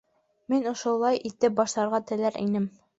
Мин ошолай итеп башларға теләр инем: